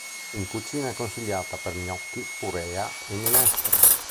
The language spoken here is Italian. In cucina è consigliata per gnocchi, purea e minestre.